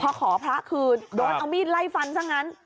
พอขอพระคือโดนเอามีดไล่ฟันซะงั้น